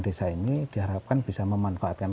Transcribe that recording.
desa ini diharapkan bisa memanfaatkan